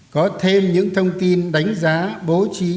có thêm những thông tin đánh giá bố trí sử dụng